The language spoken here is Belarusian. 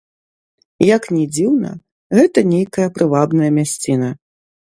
Як ні дзіўна, гэта нейкая прывабная мясціна.